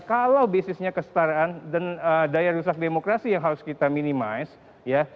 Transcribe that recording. kalau basisnya kesetaraan dan daya rusak demokrasi yang harus kita minimize